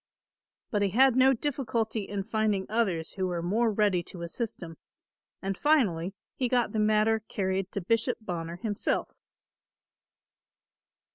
But he had no difficulty in finding others who were more ready to assist him, and finally he got the matter carried to Bishop Bonner himself.